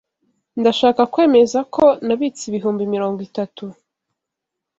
Ndashaka kwemeza ko nabitse ibihumbi mirongo itatu.